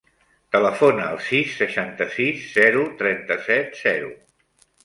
Telefona al sis, seixanta-sis, zero, trenta-set, zero.